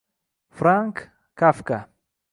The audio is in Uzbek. Frank Kafka